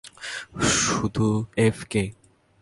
শুধু এফ কে।